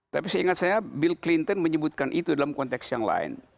tapi seingat saya bill clinton menyebutkan itu dalam konteks yang lain